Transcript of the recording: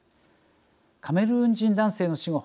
カメルーン人男性の死後